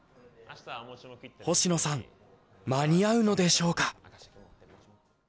星野さん間に合うのでしょうか？